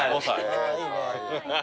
ああいいね。